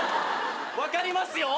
分かりますよ。